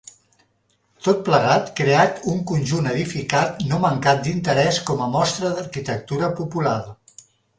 Tot plegat creat un conjunt edificat no mancat d'interès com a mostra d'arquitectura popular.